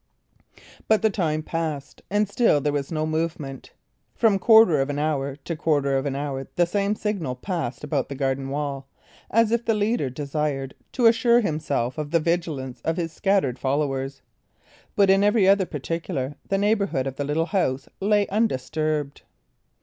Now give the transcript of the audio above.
But the time passed, and still there was no movement. From quarter of an hour to quarter of an hour the same signal passed about the garden wall, as if the leader desired to assure himself of the vigilance of his scattered followers; but in every other particular the neighbourhood of the little house lay undisturbed.